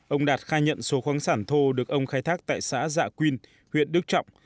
ông đạt khai nhận số khoáng sản thô được ông khai thác tại xã dạ quyên huyện đức trọng